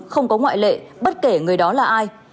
không có ngoại lệ bất kể người đó là ai